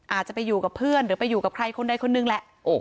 อาจจะไปอยู่กับเพื่อนหรือไปอยู่กับใครคนใดคนหนึ่งแหละ